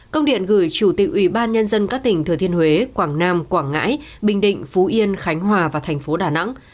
công điện gửi chủ tịch ủy ban nhân dân các tỉnh thừa thiên huế quảng nam quảng ngãi bình định phú yên khánh hòa và thành phố đà nẵng